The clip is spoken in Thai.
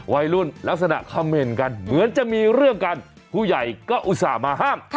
วัยรุ่นลักษณะคำเมนต์กันเหมือนจะมีเรื่องกันผู้ใหญ่ก็อุตส่าห์มาห้าม